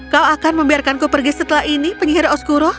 kau akan membiarkan ku pergi setelah ini penyihir oskuro